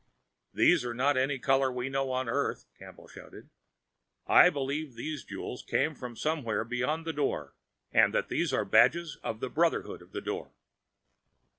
"They're not any color we know on earth," Campbell shouted. "I believe these jewels came from somewhere beyond the Door, and that these are badges of the Brotherhood of the Door."